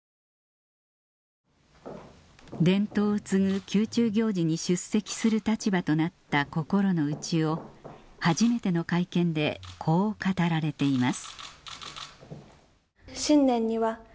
伝統を継ぐ宮中行事に出席する立場となった心の内を初めての会見でこう語られています